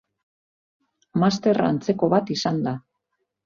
Master antzeko bat izan da.